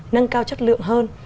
nâng cao chất lượng hơn